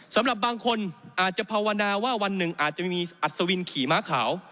สำหรับบางคนอาจจะภาวนาว่าวันหนึ่งอาจจะไม่มีอัศวินขี่ม้าขาว